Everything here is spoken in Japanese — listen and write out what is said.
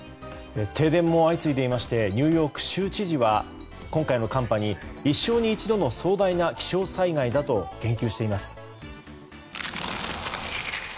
停電も相次いでいましてニューヨーク州知事は今回の寒波に一生に一度の壮大な気象災害だと言及しています。